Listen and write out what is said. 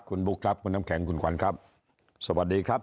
คุณบุ๊คครับคุณน้ำแข็งคุณขวัญครับสวัสดีครับ